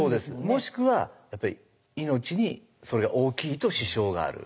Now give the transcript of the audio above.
もしくは命にそれが大きいと支障がある。